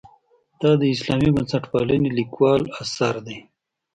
دا د اسلامي بنسټپالنې لیکوال اثر دی.